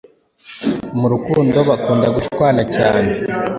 Mu rukundo bakunda gushwana cyane